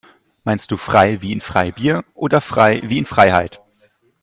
Meinst du frei wie in Freibier oder frei wie in Freiheit?